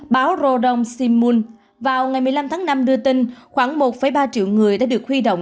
báo rodong simun vào ngày một mươi năm tháng năm đưa tin khoảng một ba triệu người đã được huy động